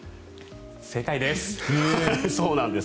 正解です。